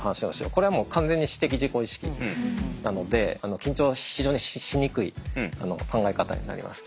これはもう完全に私的自己意識なので緊張非常にしにくい考え方になります。